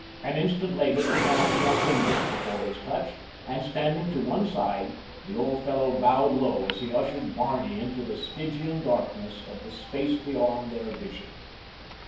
An instant later the panel swung inward before his touch, and standing to one side, the old fellow bowed low as he ushered Barney into the Stygian darkness of the space beyond their vision.